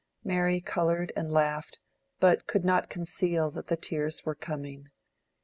Mary colored and laughed, but could not conceal that the tears were coming.